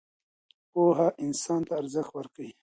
پوهه انسان ته ارزښت ورکوي.